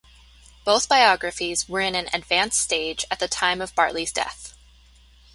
Both biographies were in an advanced stage at the time of Bartley's death.